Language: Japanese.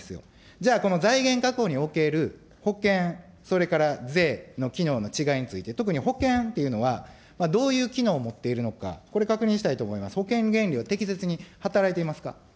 じゃあ、この財源確保における保険、それから税の機能の違いについて、特に、保険っていうのは、どういう機能を持っているのか、これ確認したいと思います。